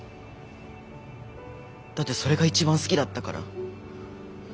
だってそれが一番好きだったから。